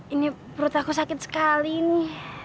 ini perut aku sakit sekali nih